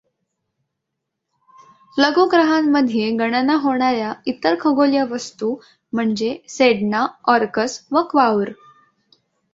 लघुग्रहांमध्ये गणना होणार् या इतर खगोलीय वस्तू म्हणजे सेडना, ऑर्कस व क्वाओर.